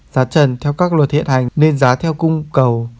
giá trần theo các luật hiện hành nên giá theo cung cầu